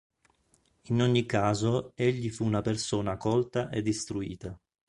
In ogni caso egli fu una persona colta ed istruita.